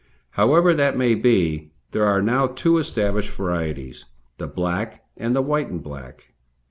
However that may be, there are now two established varieties, the black and the white and black.